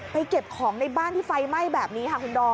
เก็บของในบ้านที่ไฟไหม้แบบนี้ค่ะคุณดอม